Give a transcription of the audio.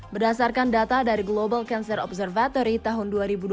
berdasarkan data dari global cancer observatory tahun dua ribu dua puluh